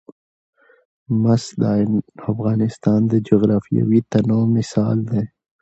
مس د افغانستان د جغرافیوي تنوع مثال دی.